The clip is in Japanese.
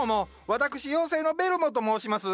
私妖精のベルモと申します。